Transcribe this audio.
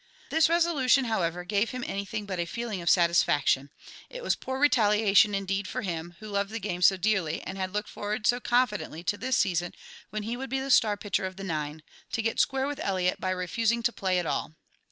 This resolution, however, gave him anything but a feeling of satisfaction; it was poor retaliation, indeed, for him, who loved the game so dearly and had looked forward so confidently to this season when he would be the star pitcher of the nine, to "get square" with Eliot by refusing to play at all.